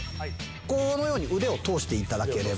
このように腕を通して頂ければ。